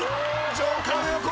ジョーカーの横！